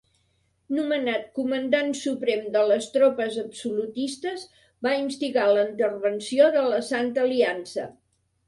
Nomenat comandant suprem de les tropes absolutistes, va instigar la intervenció de la Santa Aliança.